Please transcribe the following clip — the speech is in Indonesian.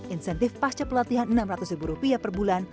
insentif pasca pelatihan rp enam ratus ribu rupiah per bulan